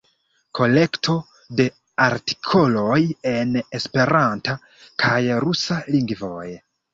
Kolekto de artikoloj en esperanta kaj rusa lingvoj.